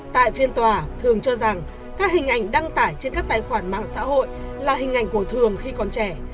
tại phiên tòa thường cho rằng các hình ảnh đăng tải trên các tài khoản mạng xã hội là hình ảnh của thường khi còn trẻ